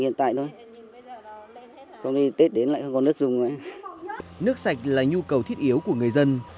nước sạch là nhu cầu thiết yếu của người dân